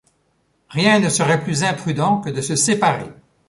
Rien ne serait plus imprudent que de se séparer!